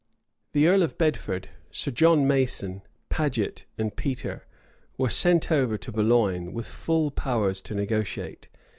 The earl of Bedford, Sir John Mason, Paget, and Petre, were sent over to Boulogne, with full powers to negotiate.